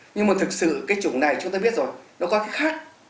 nhưng mà thực sự cái chủng này chúng ta biết rồi nó có cái khác